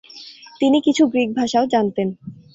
তিনি কিছু গ্রিক ভাষাও জানতেন।